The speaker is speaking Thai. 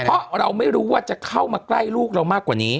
เพราะเราไม่รู้ว่าจะเข้ามาใกล้ลูกเรามากกว่านี้